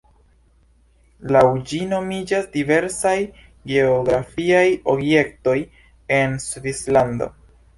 Laŭ ĝi nomiĝas diversaj geografiaj objektoj en Svislando.